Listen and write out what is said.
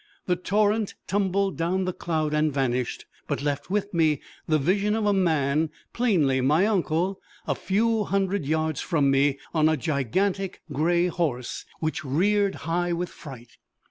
The torrent tumbled down the cloud and vanished, but left with me the vision of a man, plainly my uncle, a few hundred yards from me, on a gigantic gray horse, which reared high with fright.